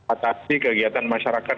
atasi kegiatan masyarakat